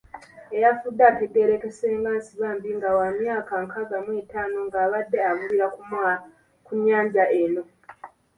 Eyafudde ategerekese nga Nsibambi nga wa myaka nkaaga mu etaano ng'abadde avubira ku nnyanja eno.